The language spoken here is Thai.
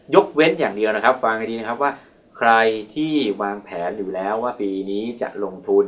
เว้นอย่างเดียวนะครับฟังให้ดีนะครับว่าใครที่วางแผนอยู่แล้วว่าปีนี้จะลงทุน